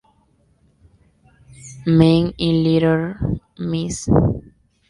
Men" y "Little Miss".